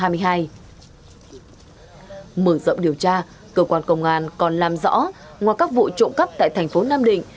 mở rộng điều tra cơ quan công an còn làm rõ ngoài các vụ trộm cắp tại thành phố nam định